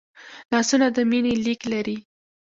لاسونه د مینې لیک لري